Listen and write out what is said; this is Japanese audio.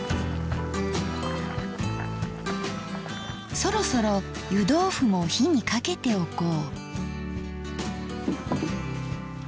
そろそろ湯どうふも火にかけておこう。